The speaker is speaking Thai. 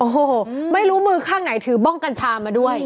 โอ้โหไม่รู้มือข้างไหนถือบ้องกัญชามาด้วย